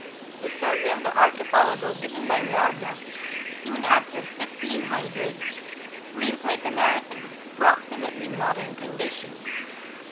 The survey of the archipelago given by Morga soon after 1600 reads like a narrative of approximately modern conditions.